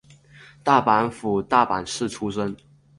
大阪府大阪市出身。